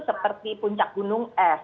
seperti puncak gunung es